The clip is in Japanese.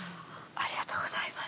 ありがとうございます。